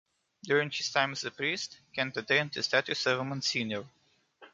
During his time as a priest Kent attained the status of a monsignor.